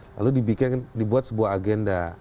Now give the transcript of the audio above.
lalu dibuat sebuah agenda